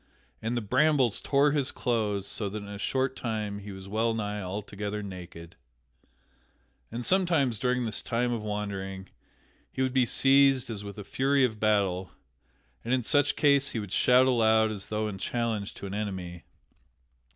And the brambles tore his clothes, so that in a short time he was wellnigh altogether naked. And somewhiles during this time of wandering he would be seized as with a fury of battle, and in such case he would shout aloud as though in challenge to an enemy.